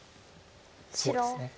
そうですね。